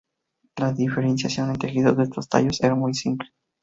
La diferenciación en tejidos de estos tallos era muy simple.